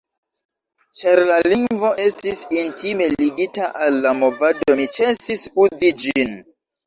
Ĉar la lingvo estis intime ligita al la movado, mi ĉesis uzi ĝin.